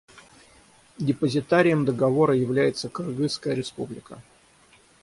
Депозитарием Договора является Кыргызская Республика.